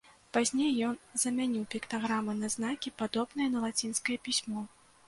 Пазней ён замяніў піктаграмы на знакі, падобныя на лацінскае пісьмо.